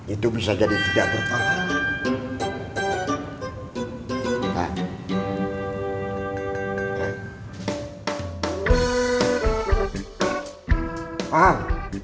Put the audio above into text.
itu bisa jadi tidak berpengaruh